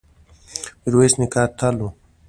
میرویس نیکه اتل و